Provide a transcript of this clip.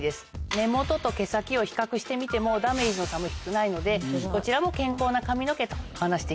根本と毛先を比較してみてもダメージの差も少ないのでこちらも健康な髪の毛。